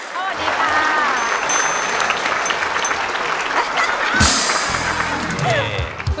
สวัสดีค่ะ